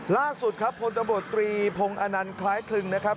ล่าสุดครับพลตำรวจตรีพงศ์อนันต์คล้ายคลึงนะครับ